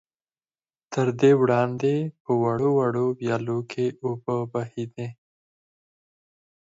تر دې وړاندې په وړو وړو ويالو کې اوبه بهېدې.